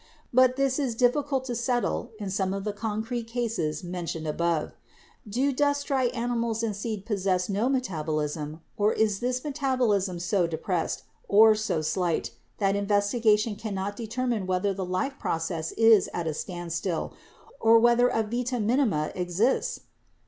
But this is difficult to settle in some of the concrete cases mentioned above. Do dust dry ani mals and seeds possess no metabolism or is this metabolism so depressed or so slight that investigation cannot deter mine whether the life process is at a standstill or whether a Vita minima' exists?